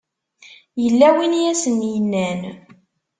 Yella win i as-yennan?